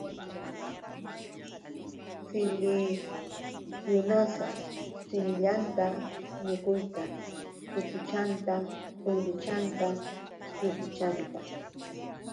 Siliksyunasa simillatam mikuyta, utuchanta, uyruchanta, chusuchanta.